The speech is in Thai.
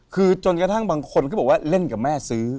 คือจนกระทั่งบางคนก็บอกว่าเล่นกับแม่ซื้อ